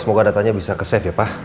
semoga datanya bisa ke safe ya pak